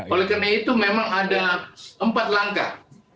oleh karena itu memang ada empat langkah